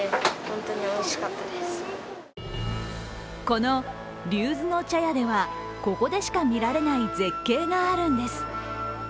この龍頭之茶屋ではここでしか見られない絶景があるんです。